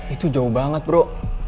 itu jauh banget bro